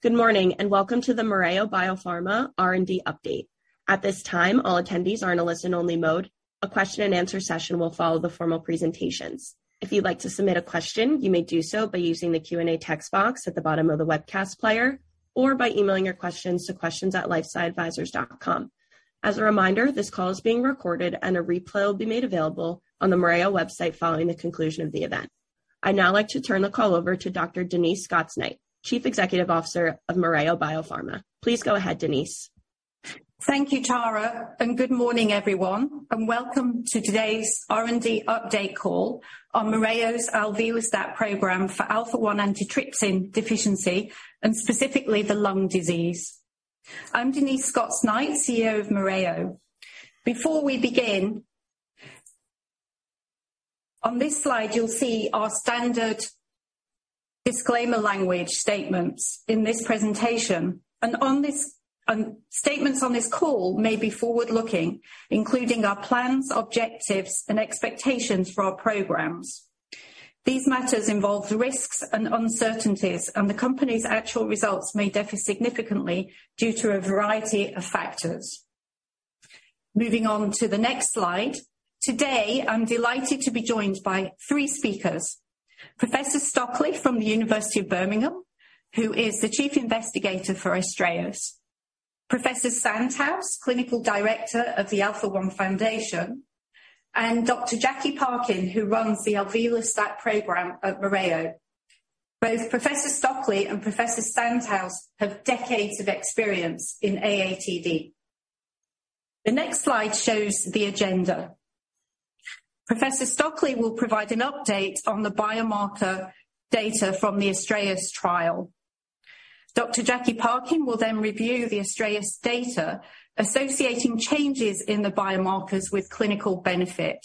Good morning, and welcome to the Mereo BioPharma R&D update. At this time, all attendees are in a listen-only mode. A question-and-answer session will follow the formal presentations. If you'd like to submit a question, you may do so by using the Q&A text box at the bottom of the webcast player or by emailing your questions to questions@lifesciadvisors.com. As a reminder, this call is being recorded and a replay will be made available on the Mereo website following the conclusion of the event. I'd now like to turn the call over to Dr. Denise Scots-Knight, Chief Executive Officer of Mereo BioPharma. Please go ahead, Denise. Thank you, Tara, and good morning, everyone, and welcome to today's R&D update call on Mereo's alvelestat program for Alpha-1 Antitrypsin Deficiency and specifically the lung disease. I'm Denise Scots-Knight, CEO of Mereo. Before we begin, on this slide you'll see our standard disclaimer language statements in this presentation. Statements on this call may be forward-looking, including our plans, objectives, and expectations for our programs. These matters involve risks and uncertainties, and the company's actual results may differ significantly due to a variety of factors. Moving on to the next slide. Today, I'm delighted to be joined by three speakers. Professor Stockley from the University of Birmingham, who is the chief investigator for ASTRAEUS. Professor Sandhaus, Clinical Director of the Alpha-1 Foundation, and Dr. Jacqueline Parkin, who runs the alvelestat program at Mereo. Both Professor Stockley and Professor Sandhaus have decades of experience in AATD. The next slide shows the agenda. Professor Stockley will provide an update on the biomarker data from the ASTRAEUS trial. Dr. Jacqueline Parkin will then review the ASTRAEUS data, associating changes in the biomarkers with clinical benefit.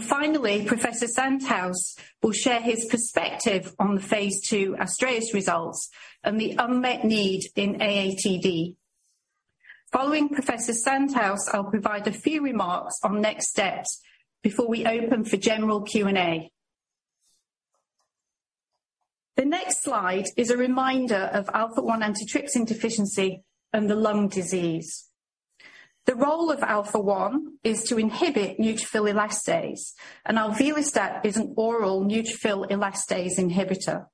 Finally, Professor Sandhaus will share his perspective on the phase II ASTRAEUS results and the unmet need in AATD. Following Professor Sandhaus, I'll provide a few remarks on next steps before we open for general Q&A. The next slide is a reminder of Alpha-1 Antitrypsin Deficiency and the lung disease. The role of Alpha-1 is to inhibit neutrophil elastase, and alvelestat is an oral neutrophil elastase inhibitor.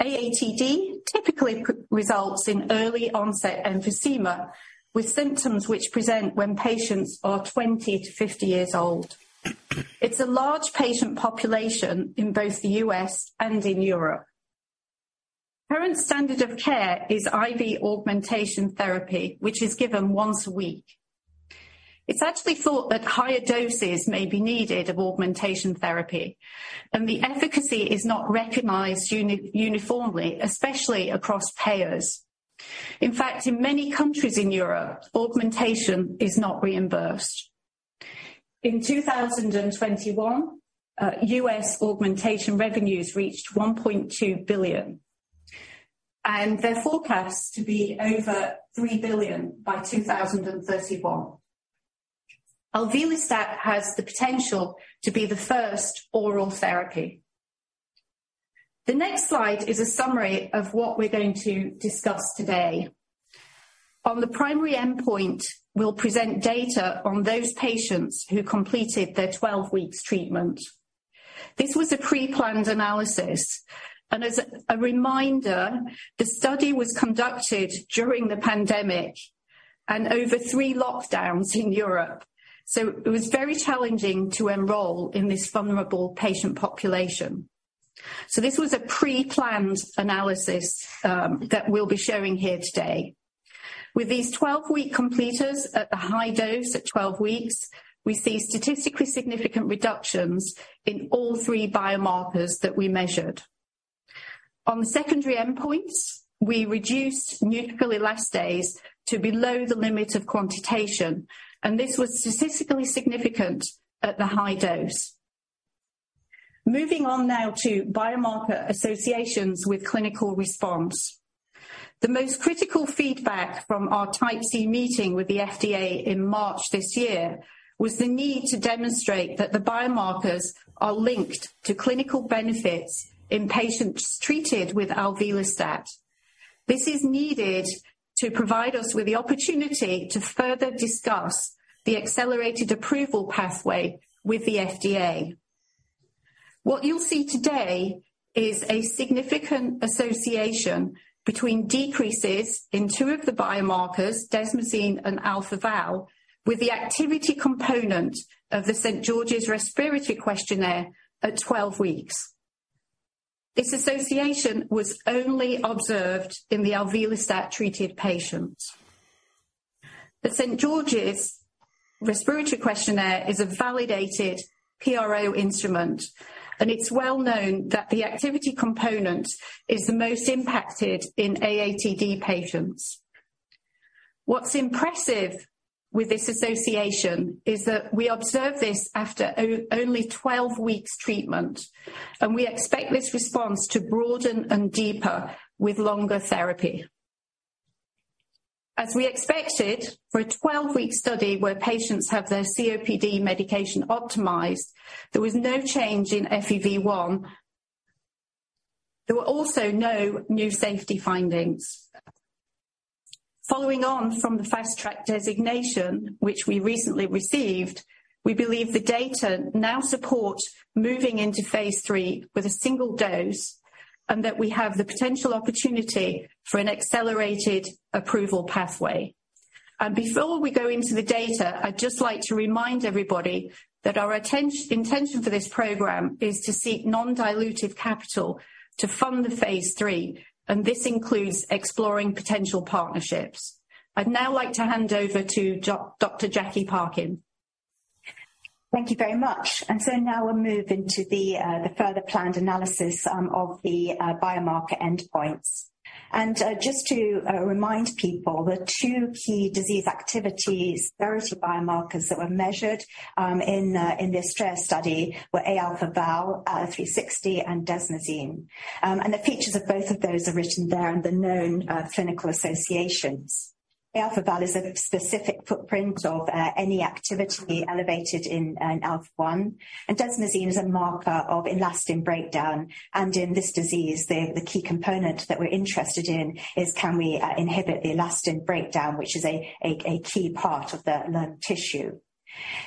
AATD typically results in early onset emphysema with symptoms which present when patients are 20-50 years old. It's a large patient population in both the US and in Europe. Current standard of care is IV augmentation therapy, which is given once a week. It's actually thought that higher doses may be needed of augmentation therapy, and the efficacy is not recognized uniformly, especially across payers. In fact, in many countries in Europe, augmentation is not reimbursed. In 2021, U.S. augmentation revenues reached $1.2 billion, and they're forecast to be over $3 billion by 2031. Alvelestat has the potential to be the first oral therapy. The next slide is a summary of what we're going to discuss today. On the primary endpoint, we'll present data on those patients who completed their 12 weeks treatment. This was a pre-planned analysis, and as a reminder, the study was conducted during the pandemic and over three lockdowns in Europe. It was very challenging to enroll in this vulnerable patient population. This was a pre-planned analysis that we'll be showing here today. With these 12-week completers at the high dose at 12 weeks, we see statistically significant reductions in all three biomarkers that we measured. On the secondary endpoints, we reduced neutrophil elastase to below the limit of quantitation, and this was statistically significant at the high dose. Moving on now to biomarker associations with clinical response. The most critical feedback from our Type C meeting with the FDA in March this year was the need to demonstrate that the biomarkers are linked to clinical benefits in patients treated with alvelestat. This is needed to provide us with the opportunity to further discuss the accelerated approval pathway with the FDA. What you'll see today is a significant association between decreases in two of the biomarkers, desmosine and Aα-Val360, with the activity component of the St. George's Respiratory Questionnaire at 12 weeks. This association was only observed in the alvelestat-treated patients. The St. George's Respiratory Questionnaire is a validated PRO instrument, and it's well known that the activity component is the most impacted in AATD patients. What's impressive with this association is that we observe this after only 12 weeks treatment, and we expect this response to broaden and deeper with longer therapy. As we expected for a 12-week study where patients have their COPD medication optimized, there was no change in FEV1. There were also no new safety findings. Following on from the Fast Track designation, which we recently received, we believe the data now supports moving into phase III with a single dose and that we have the potential opportunity for an accelerated approval pathway. Before we go into the data, I'd just like to remind everybody that our intention for this program is to seek non-dilutive capital to fund the phase III, and this includes exploring potential partnerships. I'd now like to hand over to Dr. Jacqueline Parkin. Thank you very much. Now we'll move into the further planned analysis of the biomarker endpoints. Just to remind people, the two key disease activity biomarkers that were measured in the Astraeus study were Aα-Val360 and desmosine. The features of both of those are written there and the known clinical associations. Aα-Val360 is a specific footprint of NE activity elevated in Alpha-1, and desmosine is a marker of elastin breakdown. In this disease, the key component that we're interested in is can we inhibit the elastin breakdown, which is a key part of the lung tissue.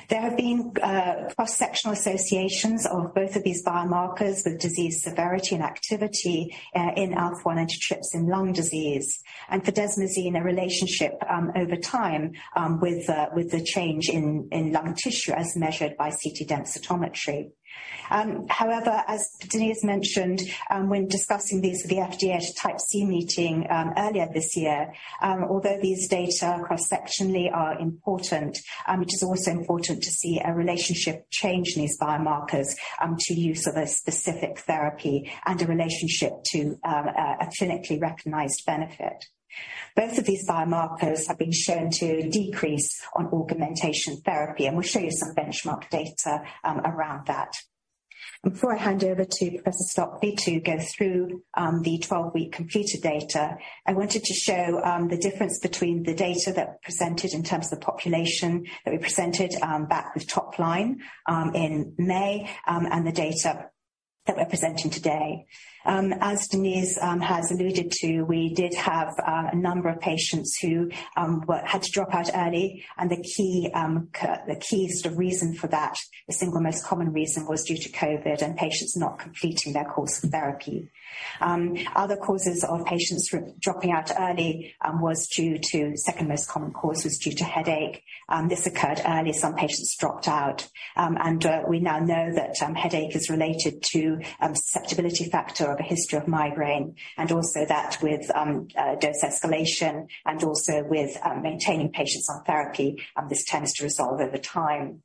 There have been cross-sectional associations of both of these biomarkers with disease severity and activity in Alpha-1 Antitrypsin lung disease. For desmosine, a relationship over time with the change in lung tissue as measured by CT densitometry. However, as Denise mentioned, when discussing these with the FDA Type C meeting earlier this year, although these data cross-sectionally are important, it is also important to see a relationship change in these biomarkers to the use of a specific therapy and a relationship to a clinically recognized benefit. Both of these biomarkers have been shown to decrease on augmentation therapy, and we'll show you some benchmark data around that. Before I hand over to Professor Stockley to go through the 12-week completed data, I wanted to show the difference between the data that presented in terms of population that we presented back with top line in May and the data that we're presenting today. As Denise has alluded to, we did have a number of patients who had to drop out early. The key sort of reason for that, the single most common reason, was due to COVID and patients not completing their course of therapy. Other causes of patients dropping out early was the second most common cause, due to headache. This occurred early. Some patients dropped out. We now know that headache is related to susceptibility factor of a history of migraine and also that with dose escalation and also with maintaining patients on therapy, this tends to resolve over time.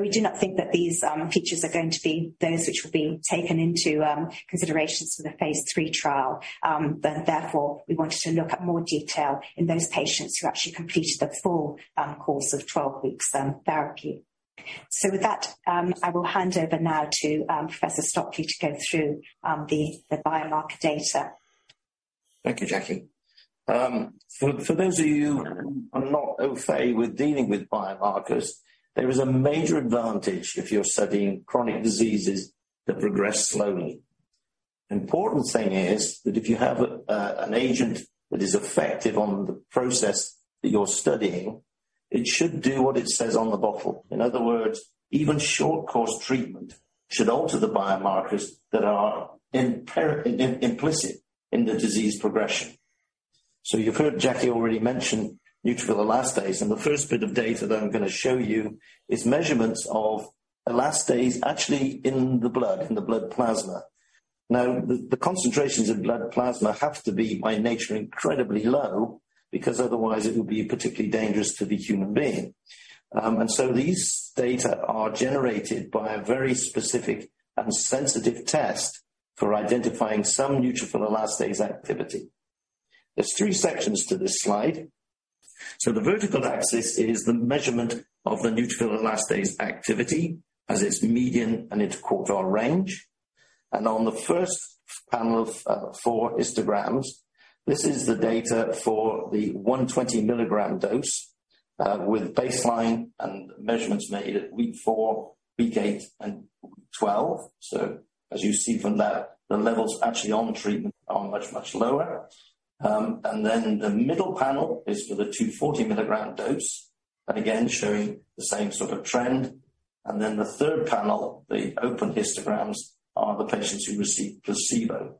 We do not think that these features are going to be those which will be taken into consideration for the phase III trial. Therefore, we wanted to look at more detail in those patients who actually completed the full course of 12 weeks therapy. With that, I will hand over now to Professor Stockley to go through the biomarker data. Thank you, Jackie. For those of you who are not au fait with dealing with biomarkers, there is a major advantage if you're studying chronic diseases that progress slowly. Important thing is that if you have an agent that is effective on the process that you're studying, it should do what it says on the bottle. In other words, even short course treatment should alter the biomarkers that are implicit in the disease progression. You've heard Jackie already mention neutrophil elastase, and the first bit of data that I'm going to show you is measurements of elastase actually in the blood, in the blood plasma. Now, the concentrations of blood plasma have to be, by nature, incredibly low, because otherwise it would be particularly dangerous to the human being. These data are generated by a very specific and sensitive test for identifying some neutrophil elastase activity. There's three sections to this slide. The vertical axis is the measurement of the neutrophil elastase activity as its median and interquartile range. On the first panel of four histograms, this is the data for the 120 mg dose with baseline and measurements made at week four, week eight, and week 12. As you see from that, the levels actually on treatment are much, much lower. The middle panel is for the 240 mg dose, and again, showing the same sort of trend. The third panel, the open histograms, are the patients who received placebo.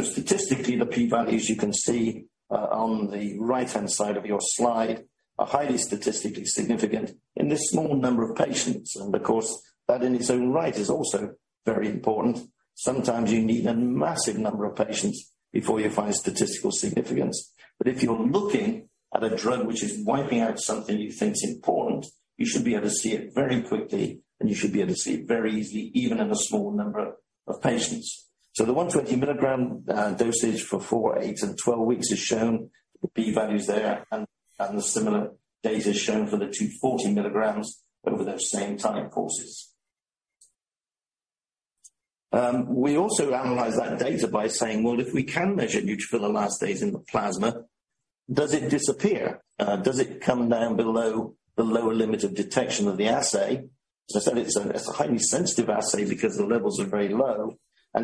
Statistically, the p-values you can see on the right-hand side of your slide are highly statistically significant in this small number of patients. Of course, that in its own right is also very important. Sometimes you need a massive number of patients before you find statistical significance. If you're looking at a drug which is wiping out something you think is important, you should be able to see it very quickly, and you should be able to see it very easily, even in a small number of patients. The 120 mg dosage for four, eight, and 12 weeks is shown, the p-values there, and the similar data is shown for the 240 mg over those same time courses. We also analyze that data by saying, "Well, if we can measure neutrophil elastase in the plasma, does it disappear? Does it come down below the lower limit of detection of the assay?" As I said, it's a highly sensitive assay because the levels are very low.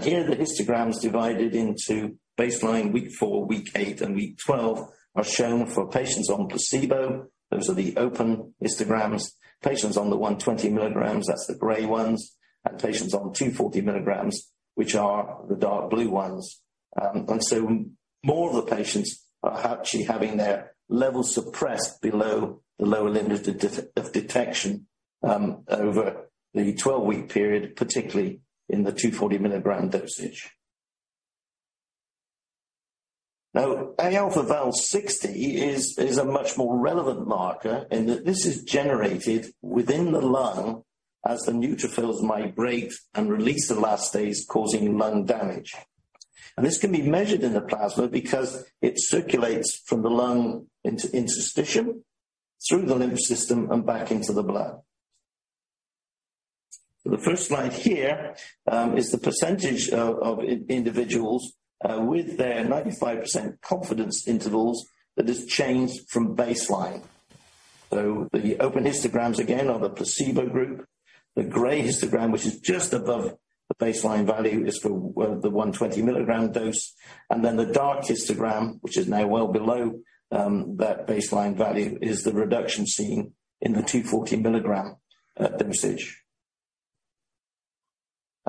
Here the histogram is divided into baseline, week four, week eight, and week 12, which are shown for patients on placebo. Those are the open histograms. Patients on the 120 mg, that's the gray ones. Patients on 240 mg, which are the dark blue ones. More of the patients are actually having their levels suppressed below the lower limit of detection over the 12-week period, particularly in the 240 mg dosage. Now, Aα-Val360 is a much more relevant marker in that this is generated within the lung as the neutrophils migrate and release elastase, causing lung damage. This can be measured in the plasma because it circulates from the lung into interstitium, through the lymph system, and back into the blood. The first slide here is the percentage of individuals with their 95% confidence intervals that has changed from baseline. The open histograms again are the placebo group. The gray histogram, which is just above the baseline value, is for well, the 120 mg dose. Then the dark histogram, which is now well below that baseline value, is the reduction seen in the 240 mg dosage.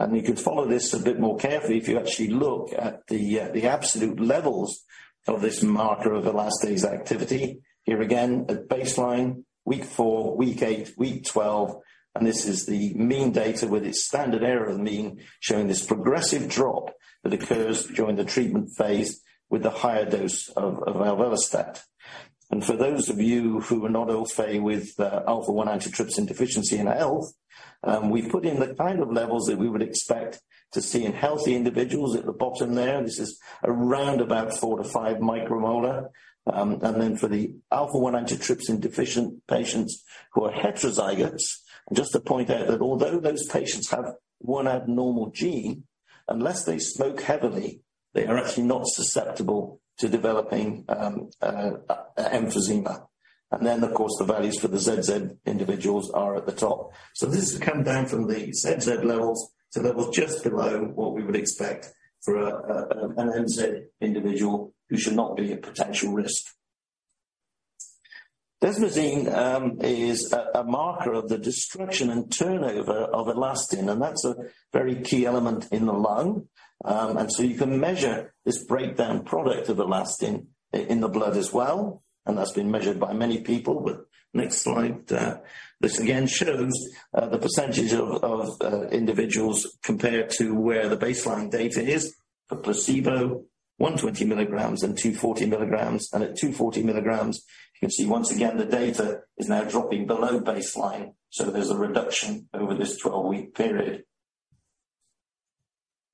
You can follow this a bit more carefully if you actually look at the absolute levels of this marker of elastase activity. Here again at baseline, week four, week eight, week 12, and this is the mean data with its standard error of the mean showing this progressive drop that occurs during the treatment phase with the higher dose of alvelestat. For those of you who are not all familiar with Alpha-1 Antitrypsin Deficiency in health, we've put in the kind of levels that we would expect to see in healthy individuals at the bottom there. This is around about four to five micromolar. For the Alpha-1 Antitrypsin Deficient patients who are heterozygous, just to point out that although those patients have one abnormal gene, unless they smoke heavily, they are actually not susceptible to developing emphysema. Of course, the values for the ZZ individuals are at the top. This has come down from the ZZ levels to levels just below what we would expect for an MZ individual who should not be at potential risk. Desmosine is a marker of the destruction and turnover of elastin, and that's a very key element in the lung. You can measure this breakdown product of elastin in the blood as well, and that's been measured by many people. Next slide. This again shows the percentage of individuals compared to where the baseline data is for placebo, 120 mg and 240 mg. At 240 mg, you can see once again the data is now dropping below baseline, so there's a reduction over this 12-week period.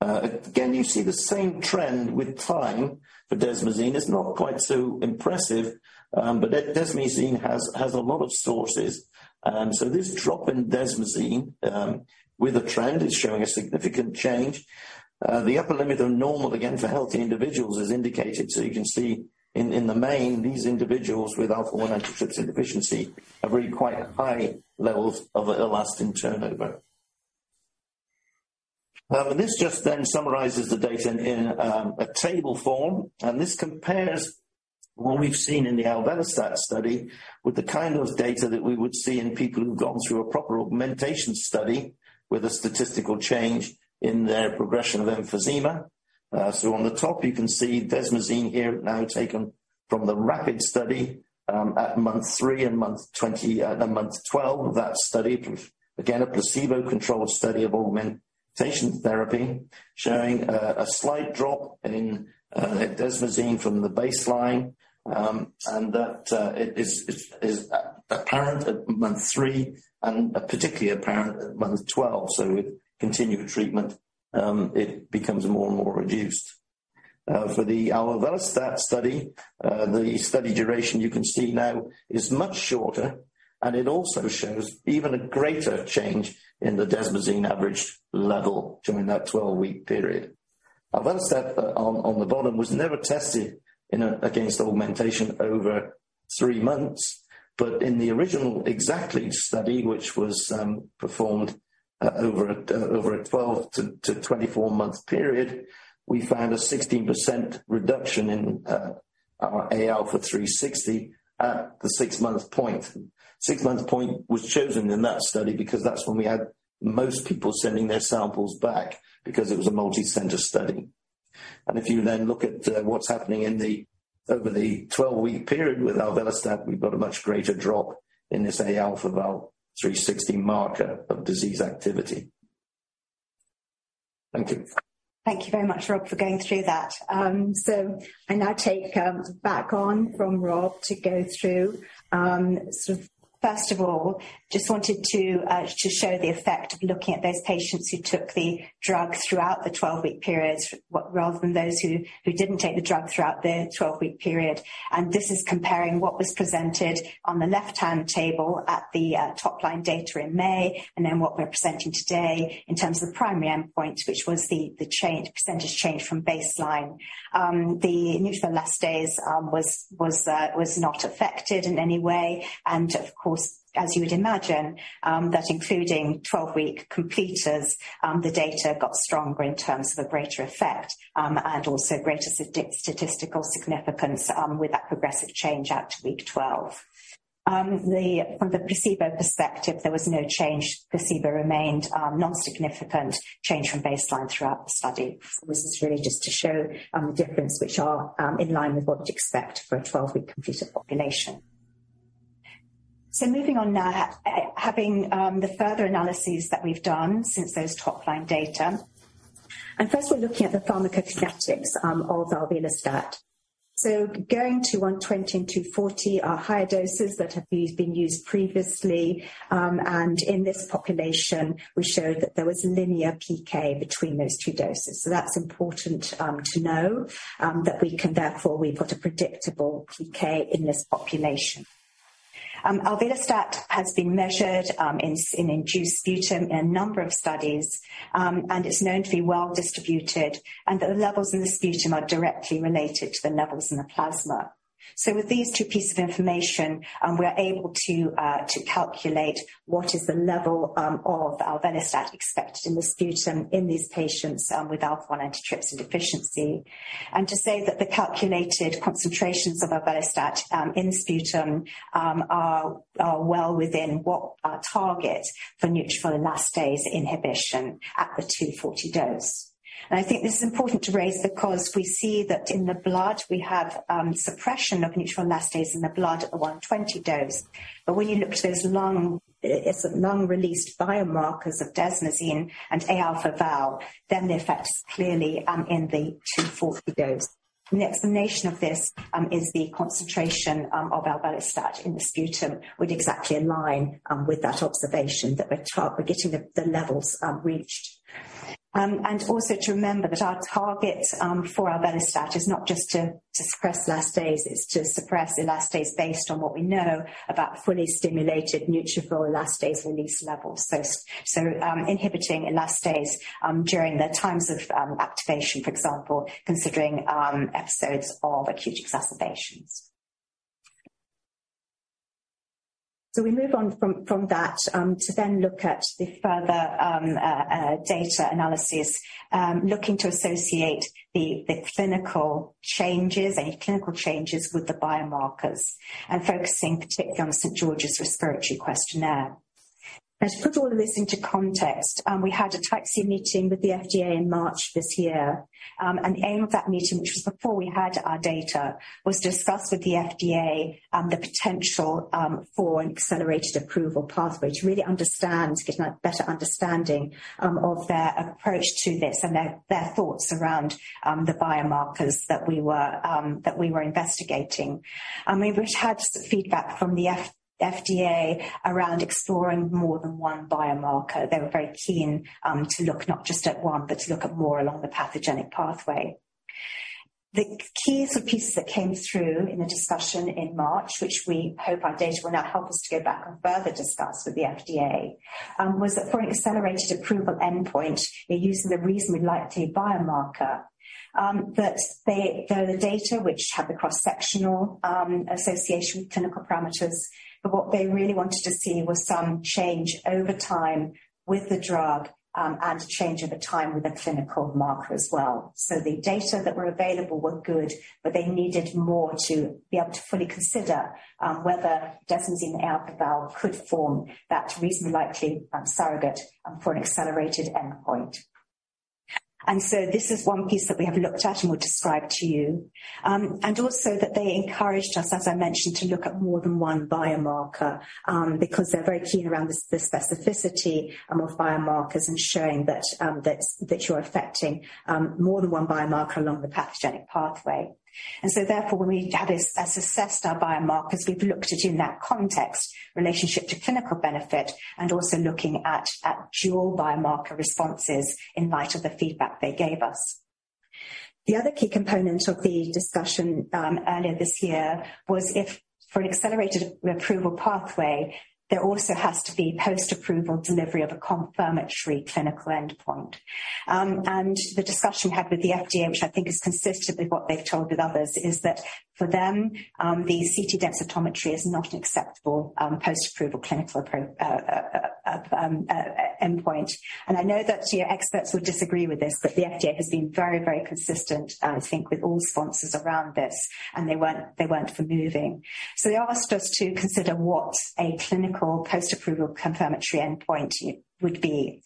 Again, you see the same trend with time, but desmosine is not quite so impressive. Desmosine has a lot of sources. This drop in desmosine with the trend is showing a significant change. The upper limit of normal again for healthy individuals is indicated. You can see in the main these individuals with Alpha-1 Antitrypsin Deficiency have really quite high levels of elastin turnover. This just then summarizes the data in a table form. This compares what we've seen in the alvelestat study with the kind of data that we would see in people who've gone through a proper augmentation study with a statistical change in their progression of emphysema. On the top you can see desmosine here now taken from the RAPID study at month three and month 20 and month 12 of that study. RAPID, a placebo-controlled study of augmentation therapy showing a slight drop in desmosine from the baseline. That is apparent at month three and particularly apparent at month 12. With continued treatment, it becomes more and more reduced. For the alvelestat study, the study duration you can see now is much shorter, and it also shows even a greater change in the desmosine average level during that 12-week period. Alvelestat on the bottom was never tested against augmentation over three months. In the original EXACTLE study, which was performed over a 12 to 24-month period, we found a 16% reduction in Aα-Val360 at the six-month point. Six-month point was chosen in that study because that's when we had most people sending their samples back because it was a multi-center study. If you then look at what's happening over the 12-week period with alvelestat, we've got a much greater drop in this Aα-Val360 marker of disease activity. Thank you. Thank you very much, Rob, for going through that. I now take back on from Rob to go through. First of all, just wanted to show the effect of looking at those patients who took the drug throughout the 12-week period, rather than those who didn't take the drug throughout the 12-week period. This is comparing what was presented on the left-hand table at the top line data in May, and then what we're presenting today in terms of the primary endpoint, which was the percentage change from baseline. The neutrophil elastase was not affected in any way. Of course, as you would imagine, that including 12-week completers, the data got stronger in terms of a greater effect, and also greater statistical significance, with that progressive change out to week 12. From the placebo perspective, there was no change. Placebo remained non-significant change from baseline throughout the study. This is really just to show the difference which are in line with what we'd expect for a 12-week completed population. Moving on now, having the further analyses that we've done since those top-line data. First we're looking at the pharmacokinetics of alvelestat. Going to 120 and 240 are higher doses that have been used previously. In this population, we showed that there was linear PK between those two doses. That's important to know that we can therefore we've got a predictable PK in this population. Alvelestat has been measured in induced sputum in a number of studies, and it's known to be well-distributed, and the levels in the sputum are directly related to the levels in the plasma. With these two pieces of information, we're able to calculate what is the level of alvelestat expected in the sputum in these patients with Alpha-1 Antitrypsin Deficiency. And to say that the calculated concentrations of alvelestat in sputum are well within what our target for neutrophil elastase inhibition at the 240 dose. I think this is important to raise because we see that in the blood we have suppression of neutrophil elastase in the blood at the 120 dose. When you look at those lung sort of lung-released biomarkers of desmosine and Aα-Val360, then the effect is clearly in the 240 dose. An explanation of this is the concentration of alvelestat in the sputum with EXACTLE in line with that observation that we're getting the levels reached. Also to remember that our target for alvelestat is not just to suppress elastase, it's to suppress elastase based on what we know about fully stimulated neutrophil elastase release levels. Inhibiting elastase during the times of activation, for example, considering episodes of acute exacerbations. We move on from that to then look at the further data analysis looking to associate the clinical changes, any clinical changes with the biomarkers and focusing particularly on the St. George's Respiratory Questionnaire. Now, to put all of this into context, we had a Type C meeting with the FDA in March this year. The aim of that meeting, which was before we had our data, was to discuss with the FDA the potential for an accelerated approval pathway to really understand, get a better understanding of their approach to this and their thoughts around the biomarkers that we were investigating. We've had feedback from the FDA around exploring more than one biomarker. They were very keen to look not just at one, but to look at more along the pathogenic pathway. The key sort of pieces that came through in the discussion in March, which we hope our data will now help us to go back and further discuss with the FDA, was that for an accelerated approval endpoint, they're using a reasonably likely biomarker. that they, the data which had the cross-sectional association with clinical parameters, but what they really wanted to see was some change over time with the drug, and change over time with a clinical marker as well. The data that were available were good, but they needed more to be able to fully consider whether desmosine Aα-Val360 could form that reasonably likely surrogate for an accelerated endpoint. This is one piece that we have looked at and will describe to you. They encouraged us, as I mentioned, to look at more than one biomarker because they're very keen on the specificity of biomarkers and showing that that you're affecting more than one biomarker along the pathogenic pathway. Therefore, when we have assessed our biomarkers, we've looked at in that context relationship to clinical benefit and also looking at dual biomarker responses in light of the feedback they gave us. The other key component of the discussion earlier this year was if for an accelerated approval pathway, there also has to be post-approval delivery of a confirmatory clinical endpoint. The discussion had with the FDA, which I think is consistent with what they've told with others, is that for them, the CT densitometry is not an acceptable post-approval clinical endpoint. I know that your experts will disagree with this, but the FDA has been very, very consistent, I think with all sponsors around this, and they weren't for moving. They asked us to consider what a clinical post-approval confirmatory endpoint would be.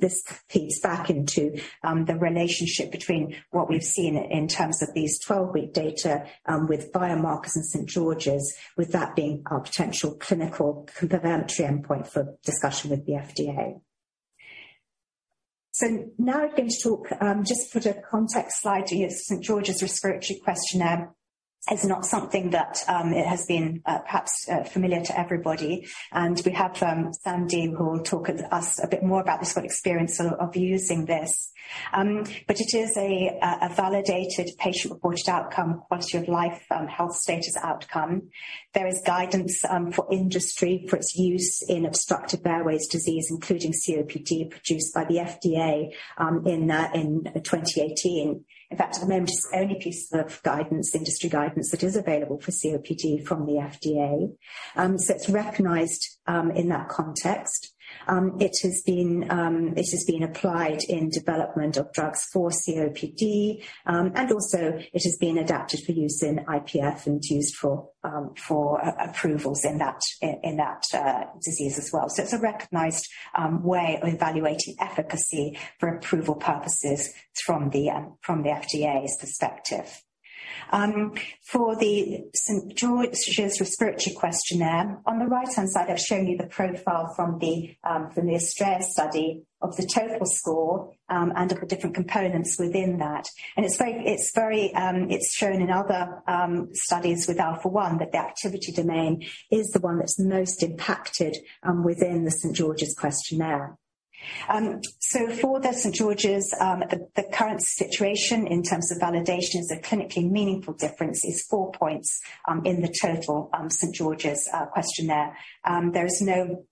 This feeds back into the relationship between what we've seen in terms of these 12-week data with biomarkers in St. George's, with that being our potential clinical confirmatory endpoint for discussion with the FDA. Now I'm going to talk, just put a context slide here. St. George's Respiratory Questionnaire is not something that it has been perhaps familiar to everybody, and we have Sandy, who will talk with us a bit more about the sort of experience of using this. It is a validated patient-reported outcome, quality of life health status outcome. There is guidance for industry for its use in obstructive airways disease, including COPD, produced by the FDA in 2018. In fact, at the moment, it's the only piece of guidance, industry guidance, that is available for COPD from the FDA. It's recognized in that context. It has been applied in development of drugs for COPD, and also it has been adapted for use in IPF and used for approvals in that disease as well. It's a recognized way of evaluating efficacy for approval purposes from the FDA's perspective. For the St. George's Respiratory Questionnaire, on the right-hand side, I've shown you the profile from the ASTRAEUS study of the total score, and of the different components within that. It's shown in other studies with Alpha-1 that the activity domain is the one that's most impacted within the St. George's questionnaire. For the St. George's, the current situation in terms of validation is a clinically meaningful difference is four points in the total St. George's questionnaire. There is no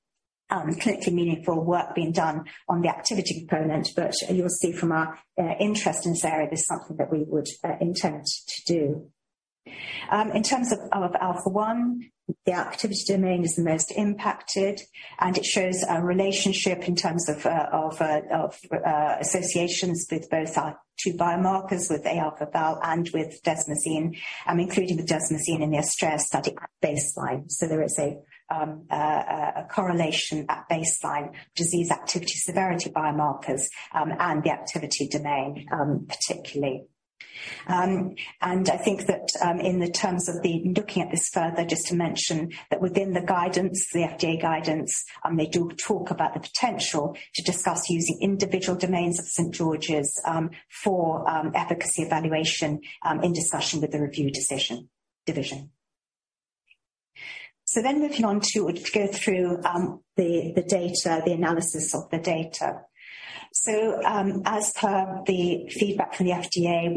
clinically meaningful work being done on the activity component, but you'll see from our interest in this area, this is something that we would intend to do. In terms of Alpha-1, the activity domain is the most impacted, and it shows a relationship in terms of associations with both our two biomarkers, with Aα-Val360 and with desmosine, including the desmosine in the ASTRAEUS study at baseline. There is a correlation at baseline disease activity severity biomarkers, and the activity domain, particularly. I think that in terms of looking at this further, just to mention that within the guidance, the FDA guidance, they do talk about the potential to discuss using individual domains of St. George's for efficacy evaluation in discussion with the review division. Moving on to go through the data, the analysis of the data. As per the feedback from the FDA,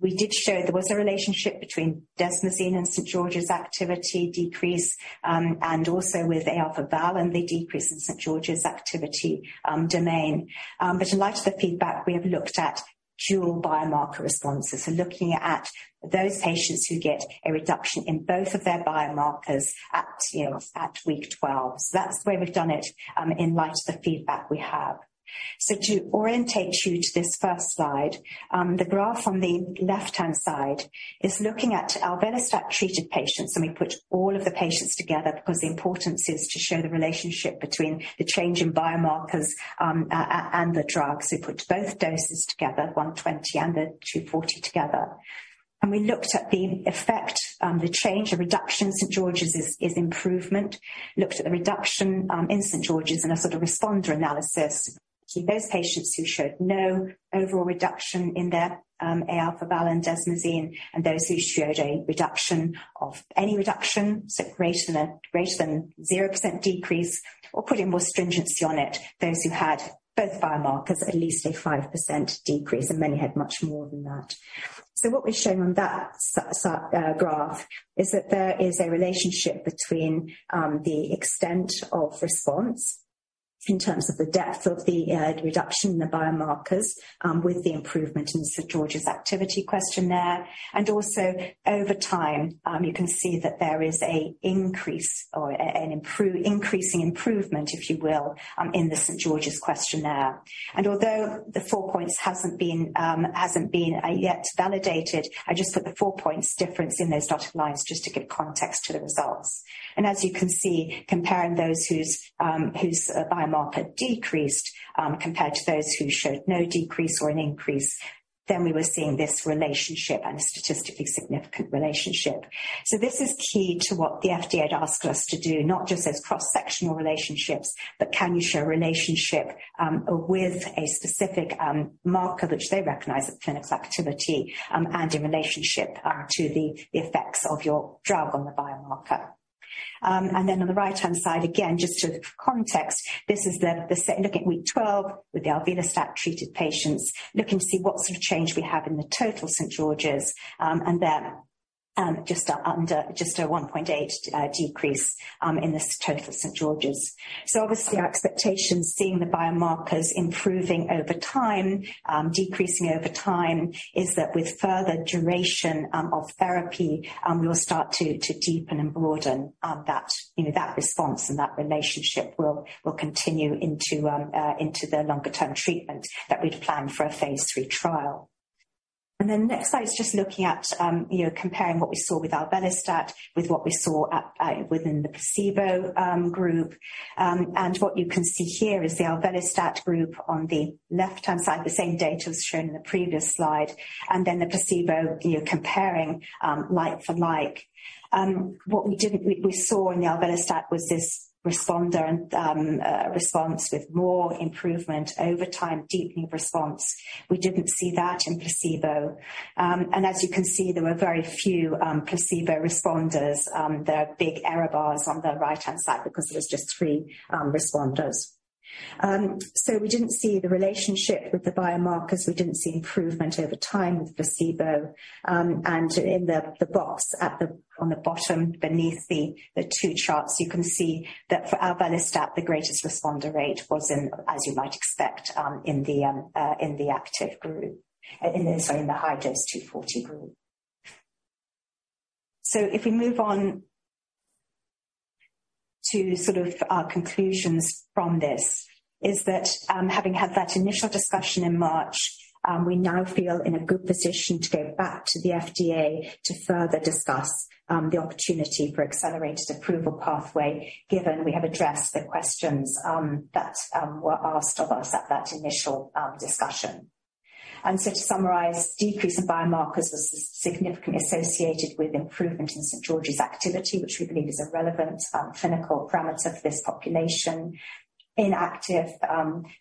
we did show there was a relationship between desmosine and St. George's activity decrease, and also with Aα-Val360 and the decrease in St. George's activity domain. In light of the feedback, we have looked at dual biomarker responses. Looking at those patients who get a reduction in both of their biomarkers at, you know, at week 12. That's the way we've done it, in light of the feedback we have. To orientate you to this first slide, the graph on the left-hand side is looking at alvelestat-treated patients, and we put all of the patients together because the importance is to show the relationship between the change in biomarkers, and the drugs. We put both doses together, 120 and 240 together. We looked at the effect, the change, a reduction in St. George's is improvement, looked at the reduction in St. George's and a sort of responder analysis to those patients who showed no overall reduction in their Aα-Val360 and desmosine and those who showed a reduction of any reduction, greater than 0% decrease or putting more stringency on it, those who had both biomarkers, at least a 5% decrease, and many had much more than that. What we've shown on that graph is that there is a relationship between the extent of response in terms of the depth of the reduction in the biomarkers with the improvement in St. George's Respiratory Questionnaire. Also over time you can see that there is an increasing improvement, if you will, in the St. George's Respiratory Questionnaire. Although the four points hasn't been yet validated, I just put the four points difference in those dotted lines just to give context to the results. As you can see, comparing those whose biomarker decreased compared to those who showed no decrease or an increase, then we were seeing this relationship and a statistically significant relationship. This is key to what the FDA had asked us to do, not just as cross-sectional relationships, but can you show a relationship with a specific marker which they recognize as elastase activity and in relationship to the effects of your drug on the biomarker. On the right-hand side, again, just for context, this is looking at week 12 with the alvelestat-treated patients, looking to see what sort of change we have in the total St. George's, and then just a 1.8 decrease in the St. George's. So, obviously our expectations seeing the biomarkers improving over time, decreasing over time, is that with further duration of therapy, we'll start to deepen and broaden that, you know, that response and that relationship will continue into the longer-term treatment that we'd plan for a phase III trial. Next slide is just looking at, you know, comparing what we saw with alvelestat with what we saw within the placebo group. What you can see here is the alvelestat group on the left-hand side, the same data that's shown in the previous slide, and then the placebo, you know, comparing like for like. What we saw in the alvelestat was this responder and response with more improvement over time, deepening response. We didn't see that in placebo. As you can see, there were very few placebo responders. There are big error bars on the right-hand side because it was just three responders. We didn't see the relationship with the biomarkers. We didn't see improvement over time with placebo. In the box at the bottom beneath the two charts, you can see that for alvelestat, the greatest responder rate was in, as you might expect, in the active group. In the high dose 240 group. If we move on to sort of our conclusions from this is that, having had that initial discussion in March, we now feel in a good position to go back to the FDA to further discuss the opportunity for accelerated approval pathway, given we have addressed the questions that were asked of us at that initial discussion. To summarize, decrease in biomarkers was significantly associated with improvement in St. George's activity, which we believe is a relevant clinical parameter for this population. In active,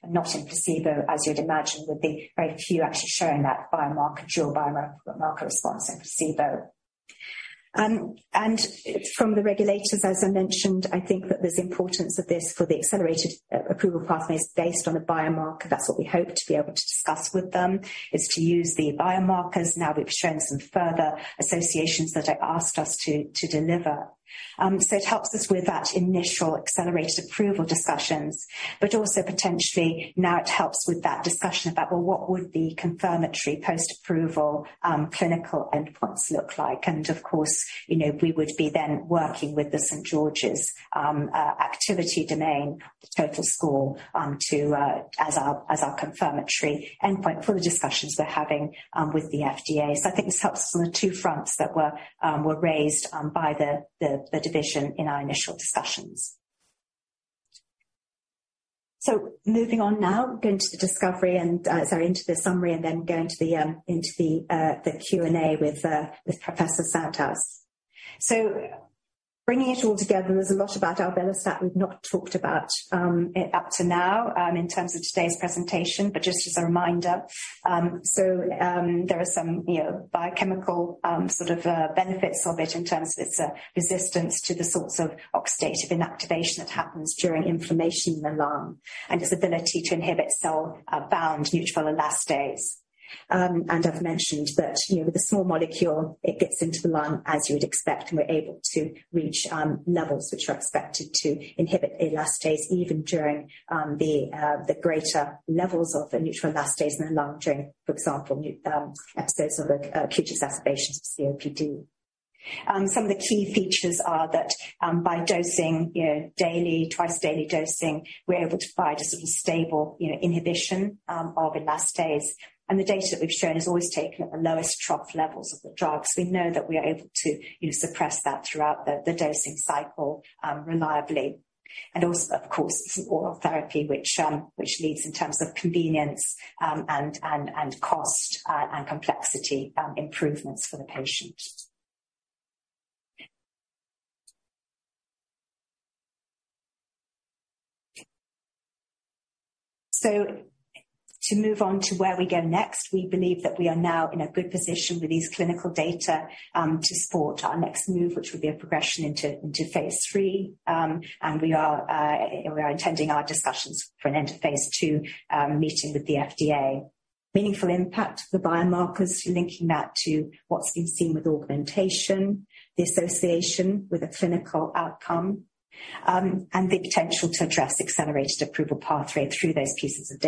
not in placebo, as you'd imagine, with the very few actually showing that biomarker, dual biomarker response in placebo. From the regulators, as I mentioned, I think that there's importance of this for the accelerated approval pathway based on a biomarker. That's what we hope to be able to discuss with them, is to use the biomarkers now that we've shown some further associations that they've asked us to deliver. It helps us with that initial accelerated approval discussions, but also potentially now it helps with that discussion about, well, what would the confirmatory post-approval clinical endpoints look like? Of course, you know, we would be then working with the St. George's activity domain total score as our confirmatory endpoint for the discussions we're having with the FDA. I think this helps us on the two fronts that were raised by the division in our initial discussions. Moving on now, into the summary and then going to the Q&A with Professor Sandhaus. Bringing it all together, there's a lot about alvelestat we've not talked about it up to now in terms of today's presentation, but just as a reminder. There are some you know biochemical sort of benefits of it in terms of its resistance to the sorts of oxidative inactivation that happens during inflammation in the lung and its ability to inhibit cell bound neutrophil elastase. I've mentioned that, you know, with a small molecule, it gets into the lung as you would expect, and we're able to reach levels which are expected to inhibit elastase even during the greater levels of the neutrophil elastase in the lung during, for example, new episodes of acute exacerbations of COPD. Some of the key features are that, by dosing, you know, daily, twice-daily dosing, we're able to provide a sort of stable, you know, inhibition of elastase. The data that we've shown is always taken at the lowest trough levels of the drugs. We know that we are able to, you know, suppress that throughout the dosing cycle reliably. Also of course, it's an oral therapy which which leads in terms of convenience, and cost, and complexity, improvements for the patient. To move on to where we go next, we believe that we are now in a good position with these clinical data, to support our next move, which will be a progression into phase III. We are intending our discussions for an end of phase II meeting with the FDA. Meaningful impact of the biomarkers, linking that to what's been seen with augmentation, the association with a clinical outcome, and the potential to address accelerated approval pathway through those pieces of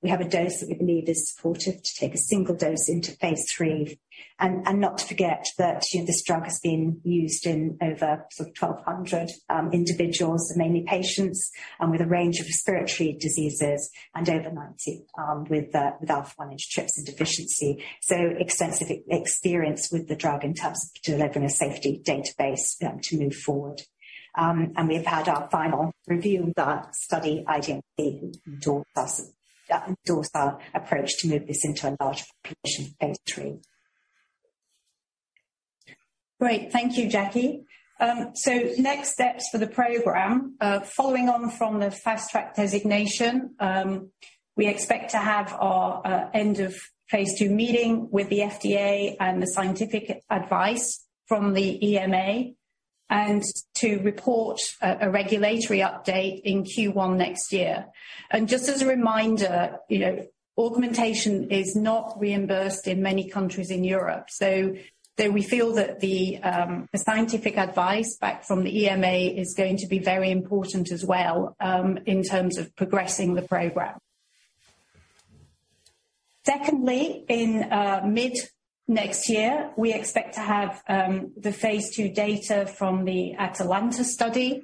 data. We have a dose that we believe is supportive to take a single dose into phase III. Not to forget that, you know, this drug has been used in over sort of 1,200 individuals, mainly patients, and with a range of respiratory diseases and over 90 with Alpha-1 Antitrypsin Deficiency. Extensive experience with the drug in terms of delivering a safety database to move forward. We've had our final review of that study IDMC, who endorse us, endorse our approach to move this into a large population phase III. Great. Thank you, Jackie. Next steps for the program. Following on from the Fast Track designation, we expect to have our end of phase II meeting with the FDA and the scientific advice from the EMA, and to report a regulatory update in Q1 next year. Just as a reminder, you know, augmentation is not reimbursed in many countries in Europe. We feel that the scientific advice back from the EMA is going to be very important as well, in terms of progressing the program. Secondly, in mid-next year, we expect to have the phase II data from the ATALANTa study.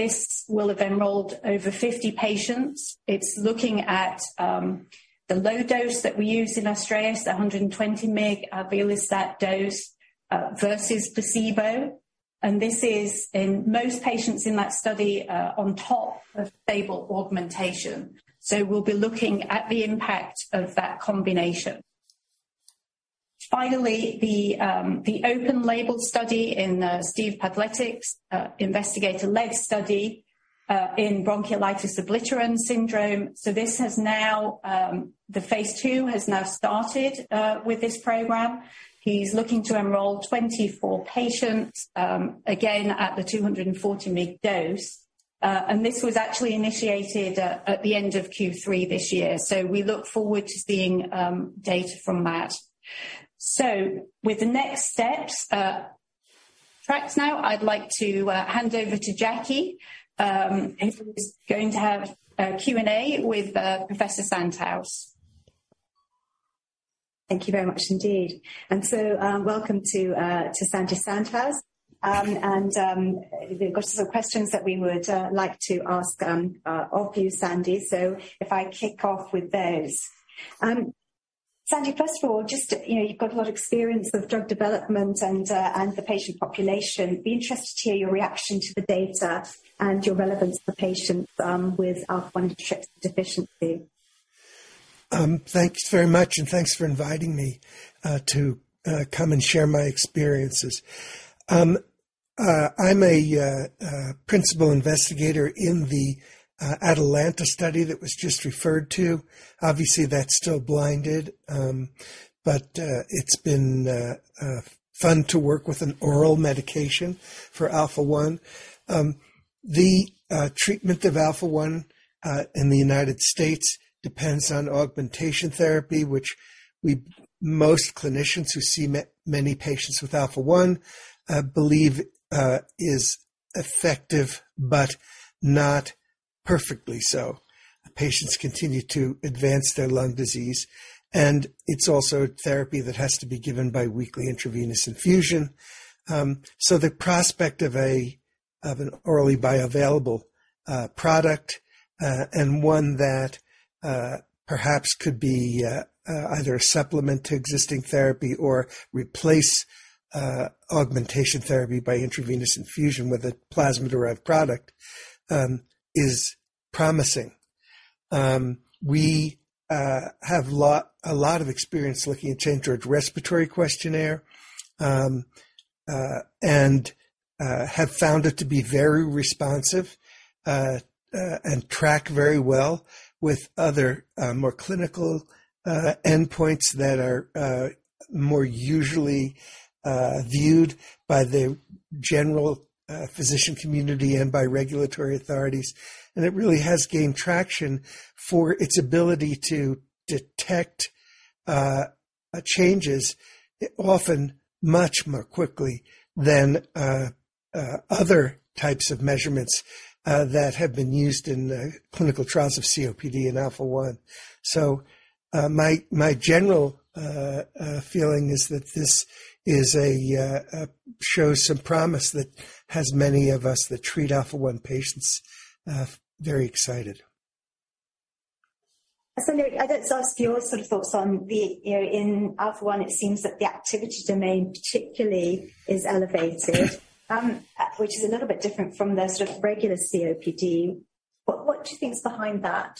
This will have enrolled over 50 patients. It's looking at the low dose that we use in ASTRAEUS, it's a 120 mg alvelestat dose versus placebo. This is in most patients in that study on top of stable augmentation. We'll be looking at the impact of that combination. Finally, the open-label study in Subhankar Bhattacharya's investigator-led study in Bronchiolitis Obliterans Syndrome. The phase II has now started with this program. He's looking to enroll 24 patients again at the 240 mg dose. This was actually initiated at the end of Q3 this year. We look forward to seeing data from that. With the next steps, tracks now. I'd like to hand over to Jackie, who is going to have a Q&A with Professor Sandhaus. Thank you very much indeed. Welcome to Sandy Sandhaus. We've got some questions that we would like to ask of you, Sandy. If I kick off with those. Sandy, first of all, just, you know, you've got a lot of experience with drug development and the patient population. Be interested to hear your reaction to the data and your relevance for patients with Alpha-1 Antitrypsin Deficiency. Thanks very much, and thanks for inviting me to come and share my experiences. I'm a principal investigator in the ATALANTa study that was just referred to. Obviously, that's still blinded, but it's been fun to work with an oral medication for Alpha-1. The treatment of Alpha-1 in the United States depends on augmentation therapy, most clinicians who see many patients with Alpha-1 believe is effective, but not perfectly so. Patients continue to advance their lung disease, and it's also a therapy that has to be given by weekly intravenous infusion. The prospect of an orally bioavailable product, and one that perhaps could be either a supplement to existing therapy or replace augmentation therapy by intravenous infusion with a plasma-derived product, is promising. We have a lot of experience looking at St. George's Respiratory Questionnaire and have found it to be very responsive and track very well with other more clinical endpoints that are more usually viewed by the general physician community and by regulatory authorities. It really has gained traction for its ability to detect changes often much more quickly than other types of measurements that have been used in the clinical trials of COPD and Alpha-1. My general feeling is that this shows some promise that has many of us that treat Alpha-1 patients very excited. Sandy, I want to ask your sort of thoughts on the, you know, in Alpha-1 it seems that the activity domain particularly is elevated, which is a little bit different from the sort of regular COPD. What do you think is behind that?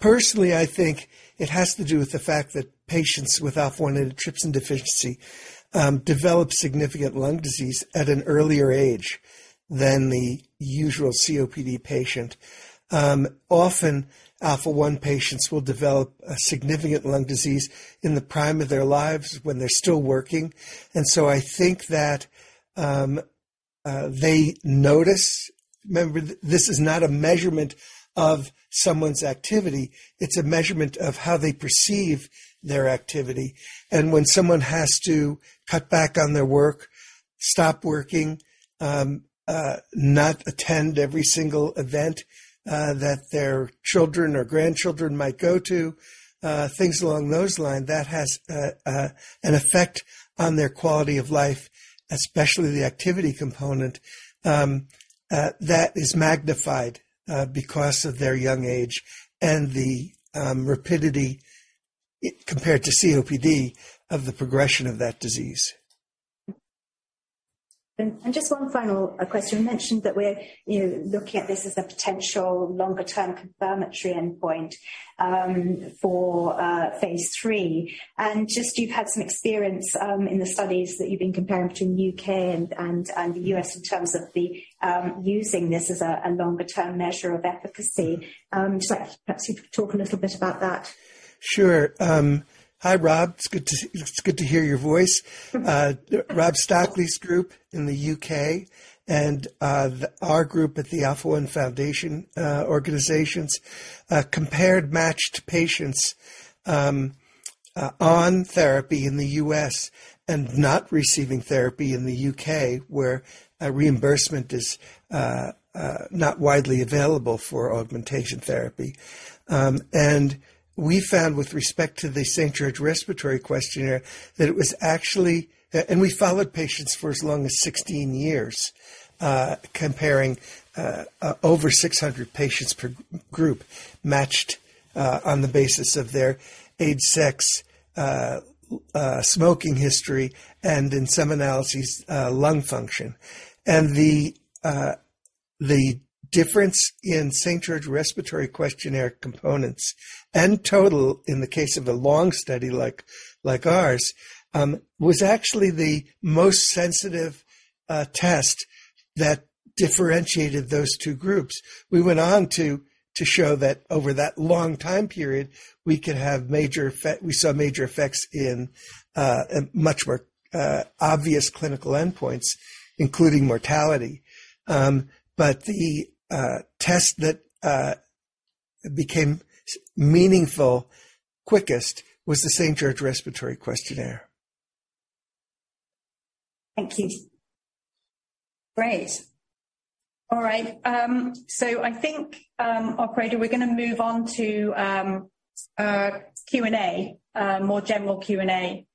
Personally, I think it has to do with the fact that patients with Alpha-1 Antitrypsin Deficiency develop significant lung disease at an earlier age than the usual COPD patient. Often, Alpha-1 patients will develop a significant lung disease in the prime of their lives when they're still working. I think that they notice. Remember, this is not a measurement of someone's activity, it's a measurement of how they perceive their activity. When someone has to cut back on their work, stop working, not attend every single event that their children or grandchildren might go to, things along those lines, that has an effect on their quality of life, especially the activity component, that is magnified because of their young age and the rapidity, compared to COPD, of the progression of that disease. Just one final question. You mentioned that we're, you know, looking at this as a potential longer-term confirmatory endpoint for phase III. Just you've had some experience in the studies that you've been comparing between U.K. and the U.S. in terms of the using this as a longer-term measure of efficacy. Just like perhaps you could talk a little bit about that. Sure. Hi, Rob. It's good to hear your voice. Robert Stockley's group in the U.K. and our group at the Alpha-1 Foundation compared matched patients on therapy in the U.S. and not receiving therapy in the U.K., where a reimbursement is not widely available for augmentation therapy. We found with respect to the St. George's Respiratory Questionnaire that it was actually. We followed patients for as long as 16 years, comparing over 600 patients per group matched on the basis of their age, sex, smoking history, and in some analyses, lung function. And the difference in St. George's Respiratory Questionnaire components and total in the case of a long study like ours was actually the most sensitive test that differentiated those two groups. We went on to show that over that long time period, we saw major effects in much more obvious clinical endpoints, including mortality. The test that became so meaningful quickest was the St. George's Respiratory Questionnaire. Thank you. Great. All right. I think, operator, we're gonna move on to Q&A, a more general Q&A.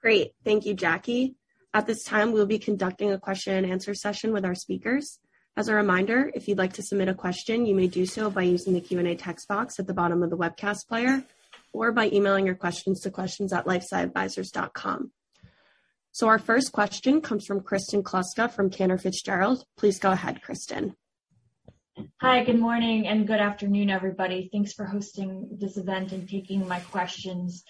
Great. Thank you, Jackie. At this time, we'll be conducting a question and answer session with our speakers. As a reminder, if you'd like to submit a question, you may do so by using the Q&A text box at the bottom of the webcast player, or by emailing your questions to questions@lifesciadvisors.com. Our first question comes from Kristen Kluska from Cantor Fitzgerald. Please go ahead, Kristen. Hi, good morning and good afternoon, everybody. Thanks for hosting this event and taking my questions.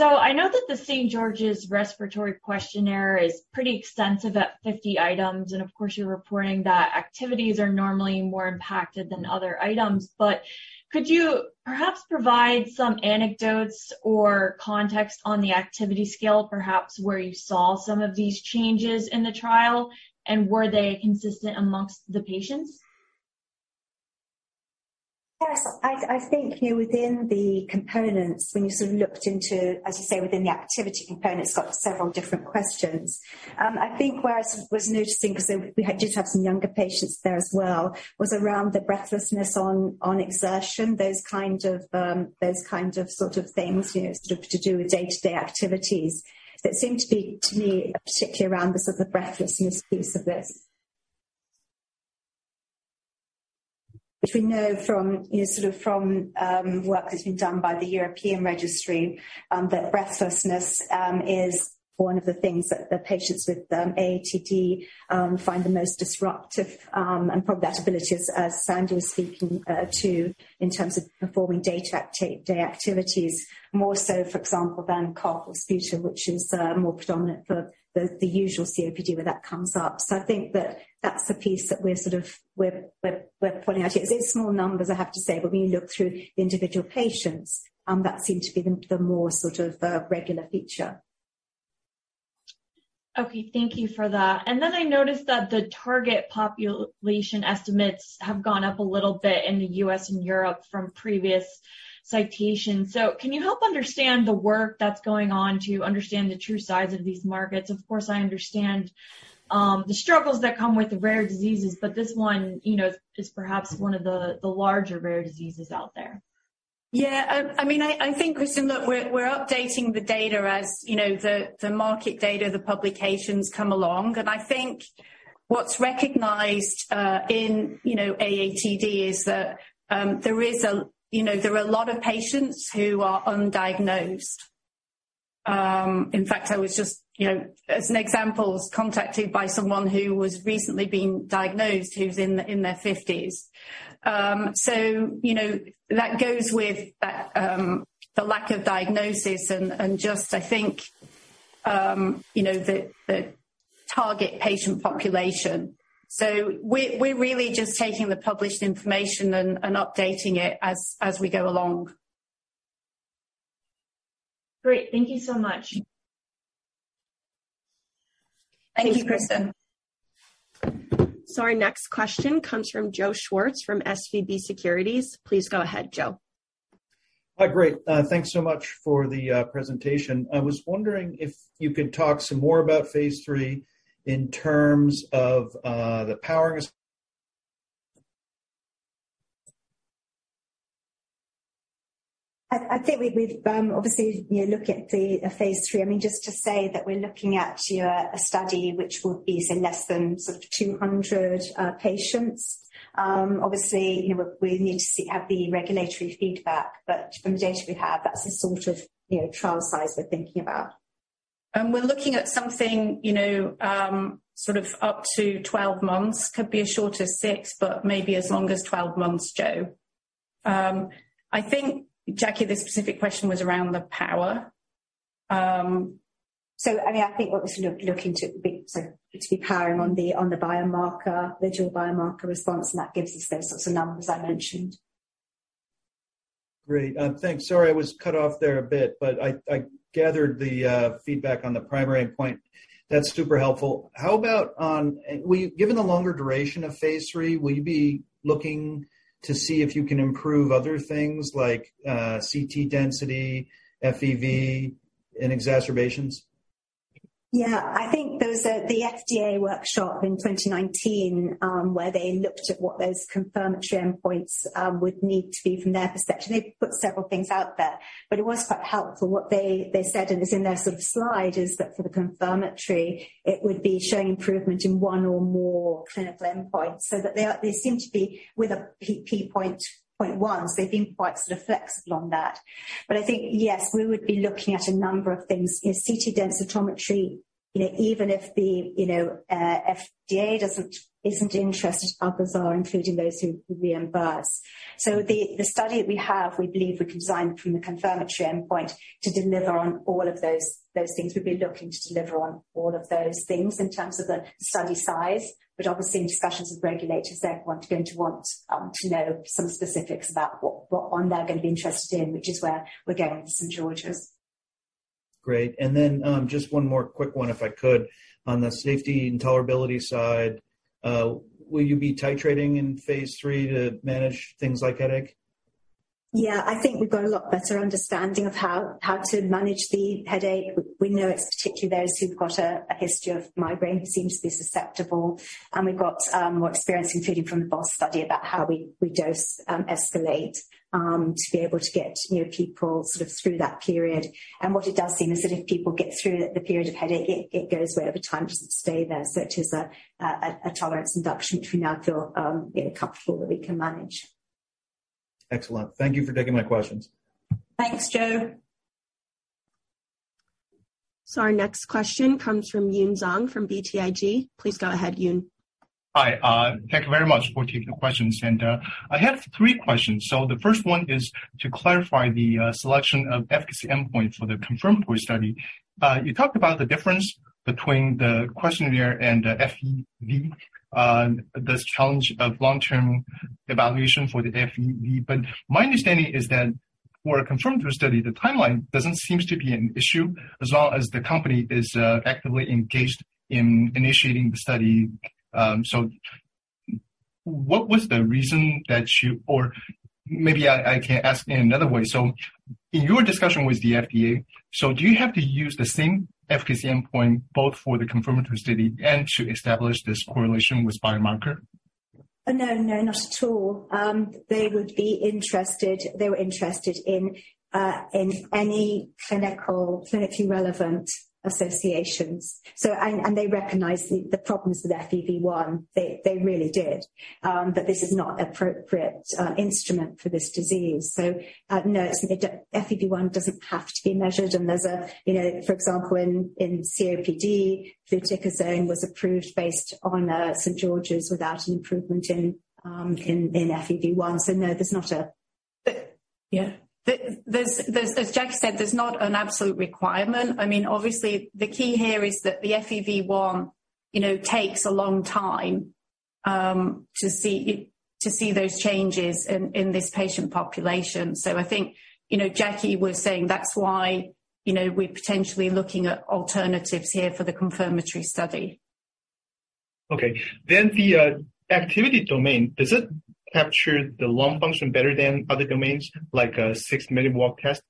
I know that the St. George's Respiratory Questionnaire is pretty extensive at 50 items, and of course, you're reporting that activities are normally more impacted than other items. Could you perhaps provide some anecdotes or context on the activity scale, perhaps where you saw some of these changes in the trial, and were they consistent amongst the patients? Yes. I think here within the components, when you sort of looked into, as you say, within the activity component, it's got several different questions. I think where I was noticing, 'cause we did have some younger patients there as well, was around the breathlessness on exertion, those kind of sort of things, you know, sort of to do with day-to-day activities. It seemed to be, to me, particularly around the sort of breathlessness piece of this. Which we know from, you know, sort of from work that's been done by the European Registry that breathlessness is one of the things that the patients with AATD find the most disruptive, and probably that ability as Sandy was speaking to in terms of performing day-to-day activities, more so for example than cough or sputum, which is more predominant for the usual COPD, where that comes up. I think that that's the piece that we're sort of pulling out. It's in small numbers, I have to say, but when you look through the individual patients, that seemed to be the more sort of regular feature. Okay, thank you for that. I noticed that the target population estimates have gone up a little bit in the U.S. and Europe from previous citations. Can you help understand the work that's going on to understand the true size of these markets? Of course, I understand the struggles that come with rare diseases, but this one, you know, is perhaps one of the larger rare diseases out there. Yeah. I mean, I think, Kristen, look, we're updating the data as you know, the market data, the publications come along. I think what's recognized in you know, AATD is that there are a lot of patients who are undiagnosed. In fact, I was just you know, as an example, contacted by someone who was recently being diagnosed who's in their fifties. You know, that goes with that, the lack of diagnosis and just I think you know, the target patient population. We're really just taking the published information and updating it as we go along. Great. Thank you so much. Thank you, Kristen. Our next question comes from Joe Schwartz from SVB Securities. Please go ahead, Joe. Hi. Great. Thanks so much for the presentation. I was wondering if you could talk some more about phase III in terms of the power I think we've obviously, you know, look at the phase III. I mean, just to say that we're looking at, you know, a study which will be say less than sort of 200 patients. Obviously, you know, we need to see, have the regulatory feedback, but from the data we have, that's the sort of, you know, trial size we're thinking about. We're looking at something, you know, sort of up to 12 months. Could be as short as six, but maybe as long as 12 months, Joe. I think, Jackie, the specific question was around the power. I mean, I think what we're sort of looking to be, so to be powering on the biomarker, digital biomarker response, and that gives us those sorts of numbers I mentioned. Great. Thanks. Sorry, I was cut off there a bit, but I gathered the feedback on the primary endpoint. That's super helpful. Given the longer duration of phase III, will you be looking to see if you can improve other things like CT density, FEV, and exacerbations? Yeah, I think there was the FDA workshop in 2019, where they looked at what those confirmatory endpoints would need to be from their perspective. They put several things out there, but it was quite helpful. What they said, and it's in their sort of slide, is that for the confirmatory it would be showing improvement in one or more clinical endpoints. So they seem to be with a p-value of 0.1. So they've been quite sort of flexible on that. But I think, yes, we would be looking at a number of things. You know, CT densitometry, you know, even if the, you know, FDA isn't interested, others are, including those who reimburse. So the study that we have, we believe we designed from a confirmatory endpoint to deliver on all of those things. We'd be looking to deliver on all of those things in terms of the study size. Obviously in discussions with regulators, they're going to want to know some specifics about what one they're going to be interested in, which is where we're going with St. George's. Great. Just one more quick one, if I could. On the safety and tolerability side, will you be titrating in phase III to manage things like headache? Yeah. I think we've got a lot better understanding of how to manage the headache. We know it's particularly those who've got a history of migraine who seem to be susceptible. We've got more experience, including from the BOS study about how we dose, escalate to be able to get you know people sort of through that period. What it does seem is that if people get through the period of headache, it goes away over time. It doesn't stay there, so it is a tolerance induction which we now feel you know comfortable that we can manage. Excellent. Thank you for taking my questions. Thanks, Joe. Our next question comes from Yun Zhong from BTIG. Please go ahead, Yun. Hi. Thank you very much for taking the questions. I have three questions. The first one is to clarify the selection of efficacy endpoint for the confirmatory study. You talked about the difference between the questionnaire and the FEV, this challenge of long-term evaluation for the FEV. My understanding is that for a confirmatory study, the timeline doesn't seem to be an issue as long as the company is actively engaged in initiating the study. What was the reason that you... Maybe I can ask in another way. In your discussion with the FDA, do you have to use the same efficacy endpoint both for the confirmatory study and to establish this correlation with biomarker? No, not at all. They were interested in any clinically relevant associations. They recognized the problems with FEV1. They really did. That this is not appropriate instrument for this disease. No. FEV1 doesn't have to be measured. There's a, you know, for example, in COPD, fluticasone was approved based on St. George's without an improvement in FEV1. No, there's not a- But- Yeah. There's as Jackie said, there's not an absolute requirement. I mean, obviously the key here is that the FEV1, you know, takes a long time to see those changes in this patient population. I think, you know, Jackie was saying that's why, you know, we're potentially looking at alternatives here for the confirmatory study. Okay. The activity domain, does it capture the lung function better than other domains like six-minute walk test?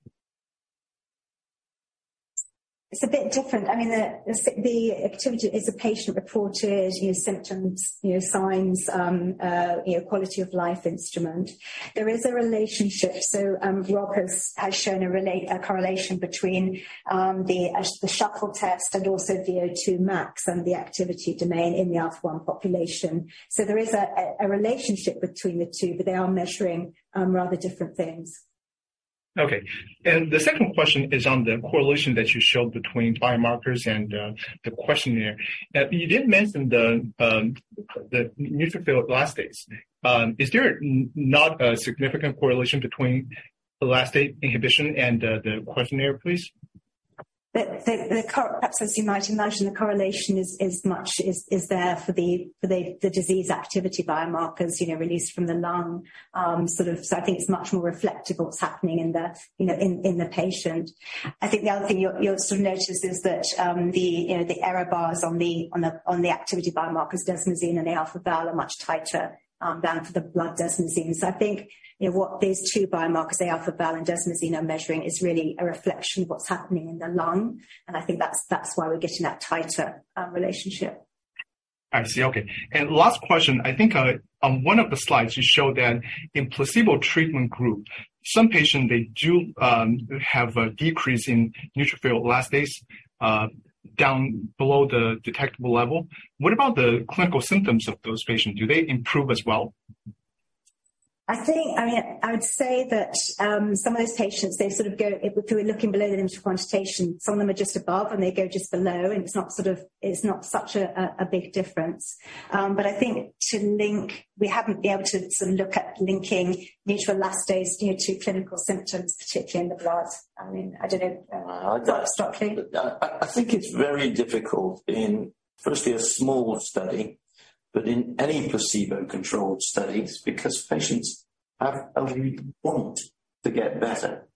It's a bit different. I mean, the activity is a patient-reported symptoms, signs, quality of life instrument. There is a relationship. Rob has shown a correlation between the shuttle test and also VO2 max and the activity domain in the Alpha-1 population. There is a relationship between the two, but they are measuring rather different things. Okay. The second question is on the correlation that you showed between biomarkers and the questionnaire. You did mention the neutrophil elastase. Is there not a significant correlation between elastase inhibition and the questionnaire, please? Perhaps as you might imagine, the correlation is much, is there for the disease activity biomarkers, you know, released from the lung. Sort of so I think it's much more reflective of what's happening in the, you know, in the patient. I think the other thing you'll sort of notice is that, the, you know, the error bars on the activity biomarkers desmosine and Aα-Val360 are much tighter than for the blood desmosine. So I think, you know, what these two biomarkers, the Aα-Val360 and desmosine are measuring, is really a reflection of what's happening in the lung. I think that's why we're getting that tighter relationship. I see. Okay. Last question. I think, on one of the slides you showed that in placebo treatment group, some patient, they do, have a decrease in neutrophil elastase, down below the detectable level. What about the clinical symptoms of those patients? Do they improve as well? I think, I mean, I would say that some of those patients they sort of go if we're looking below the limit of quantification, some of them are just above and they go just below, and it's not such a big difference. But I think to link, we haven't been able to sort of look at linking neutrophil elastase near to clinical symptoms, particularly in the blood. I mean, I don't know. Do you want to start, Robert? I think it's very difficult, firstly, in a smaller study, but in any placebo-controlled studies because patients have a real want to get better.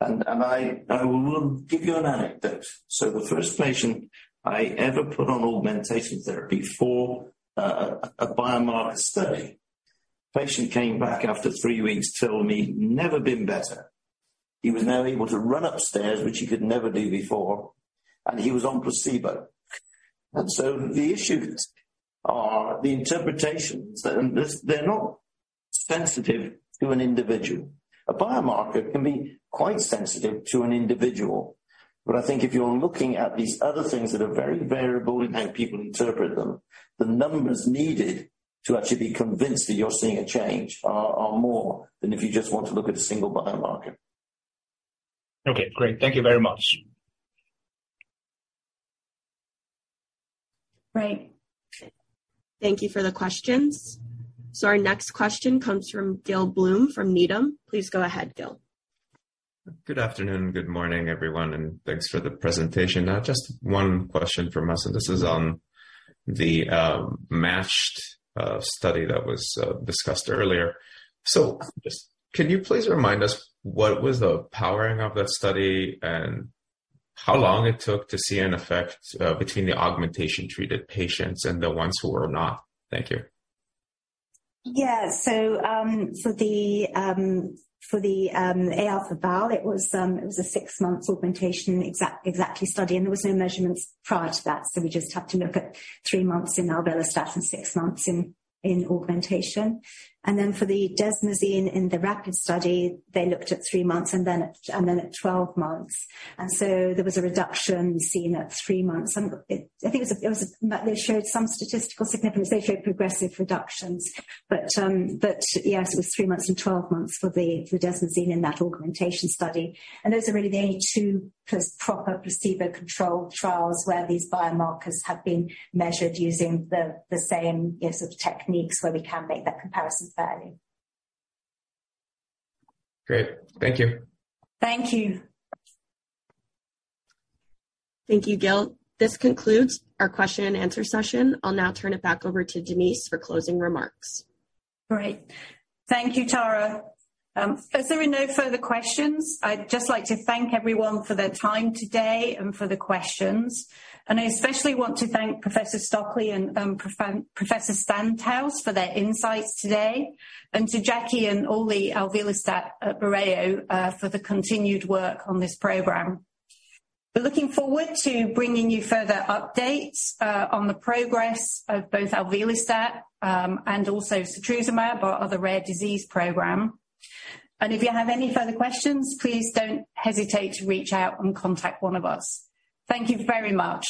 I will give you an anecdote. The first patient I ever put on augmentation therapy for a biomarker study. Patient came back after three weeks, told me never been better. He was now able to run upstairs, which he could never do before, and he was on placebo. The issues are the interpretations, and this, they're not sensitive to an individual. A biomarker can be quite sensitive to an individual. If you're looking at these other things that are very variable in how people interpret them, the numbers needed to actually be convinced that you're seeing a change are more than if you just want to look at a single biomarker. Okay, great. Thank you very much. Right. Thank you for the questions. Our next question comes from Gil Blum from Needham. Please go ahead, Gil. Good afternoon. Good morning, everyone, and thanks for the presentation. Now just one question from us, and this is on the matched study that was discussed earlier. Can you please remind us what was the powering of that study and how long it took to see an effect between the augmentation-treated patients and the ones who were not? Thank you. Yeah. For the EXACTLE, it was a six-month augmentation study, and there was no measurements prior to that. We just had to look at three months in alvelestat and six months in augmentation. For the desmosine in the RAPID study, they looked at three months and then at 12 months. There was a reduction seen at three months. I think it was a. They showed some statistical significance. They showed progressive reductions. Yes, it was three months and 12 months for the desmosine in that augmentation study. Those are really the only two proper placebo-controlled trials where these biomarkers have been measured using the same, yes, sort of techniques where we can make that comparison fairly. Great. Thank you. Thank you. Thank you, Gil. This concludes our question and answer session. I'll now turn it back over to Denise for closing remarks. Great. Thank you, Tara. As there are no further questions, I'd just like to thank everyone for their time today and for the questions. I especially want to thank Professor Stockley and Professor Sandhaus for their insights today and to Jackie and all the alvelestat at Mereo for the continued work on this program. We're looking forward to bringing you further updates on the progress of both alvelestat and also setrusumab, our other rare disease program. If you have any further questions, please don't hesitate to reach out and contact one of us. Thank you very much.